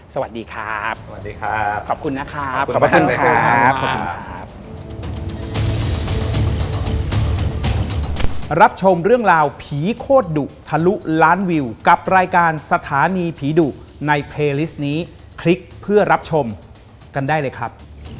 สวัสดีครับสวัสดีครับขอบคุณนะครับขอบคุณครับขอบคุณครับ